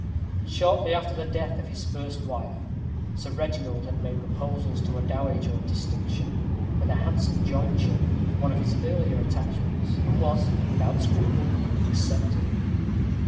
Shortly after the death of his first wife, Sir Reginald had made proposals to a dowager of distinction, with a handsome jointure, one of his early attachments, and was, without scruple, accepted.